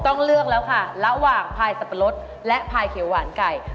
ต้องเลือกแล้วค่ะระหว่างพายสับปะรดและพายเขียวหวานไก่